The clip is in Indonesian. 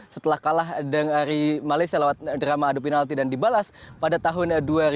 setelah kalah dengan hari malaysia lewat drama adu penalti dan dibalas pada tahun dua ribu tiga belas